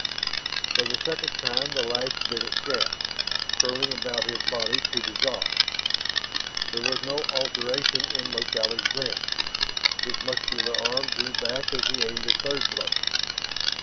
For the second time the lash bit at Shann, curling about his body, to dissolve. There was no alteration in Logally's grin, His muscular arm drew back as he aimed a third blow.